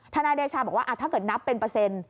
นายเดชาบอกว่าถ้าเกิดนับเป็นเปอร์เซ็นต์